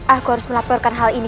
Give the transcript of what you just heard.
aku harus melaporkan hal ini